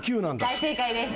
大正解です。